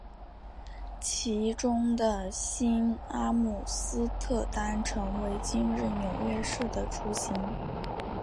其中的新阿姆斯特丹成为今日纽约市的雏形。